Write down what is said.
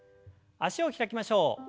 脚を開きましょう。